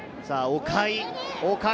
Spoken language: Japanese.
岡井。